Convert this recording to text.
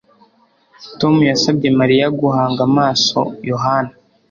Tom yasabye Mariya guhanga amaso Yohana